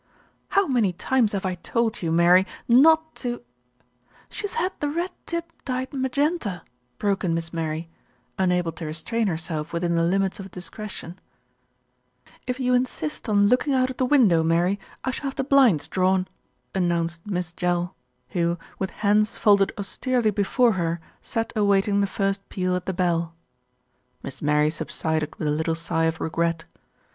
"How many times have I told you, Mary, not to " "She's had the red tip dyed magenta," broke in Miss Mary, unable to restrain herself within the limits of discretion. 106 THE RETURN OF ALFRED "If you insist on looking out of the window, Mary, I shall have the blinds drawn," announced Miss Jell, who, with hands folded austerely before her, sat await ing the first peal at the bell. Miss Mary subsided with a little sigh of regret.